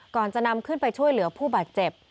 ก่อนจะนำขึ้นไปช่วยเหลือผู้บาดเจ็บ